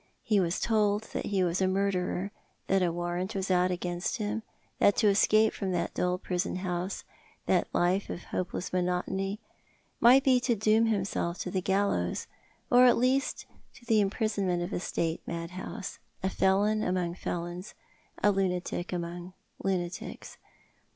He was told that he was a murderer, that a warrant was out against him, that to escape from that dull prison house, that life of hopeless monotony, might be to doom himself to the gallows, or at best to the imprisonment of a State mad house, a felon among felons, a lunatic among lunatics.